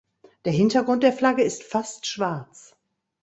Der Hintergrund der Flagge ist fast schwarz.